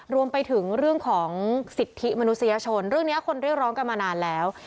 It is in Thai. รวมไปถึงเรื่องของสิทธิมนุษยชนเรื่องนี้คนเรียกร้องกันมานานแล้ว